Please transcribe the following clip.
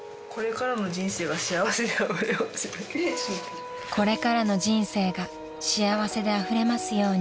「これからの人生が幸せであふれますように」